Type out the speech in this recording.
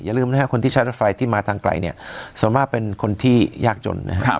ลืมนะครับคนที่ใช้รถไฟที่มาทางไกลเนี่ยส่วนมากเป็นคนที่ยากจนนะครับ